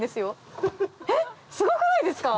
えっすごくないですか？